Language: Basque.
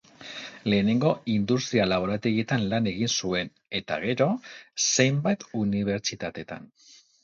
Lehenengo, industria-laborategietan lan egin zuen, eta, gero, zenbait unibertsitatetan.